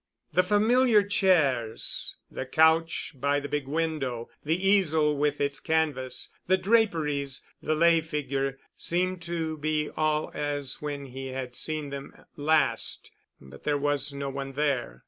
The familiar chairs, the couch by the big window, the easel with its canvas, the draperies, the lay figure, seemed to be all as when he had seen them last, but there was no one there.